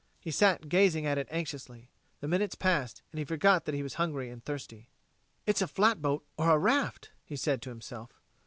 He sat gazing at it anxiously. The minutes passed and he forgot that he was hungry and thirsty. "It's a flatboat or a raft," he said to himself.